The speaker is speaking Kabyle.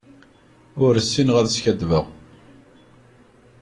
Ur ssineɣ ad skaddbeɣ.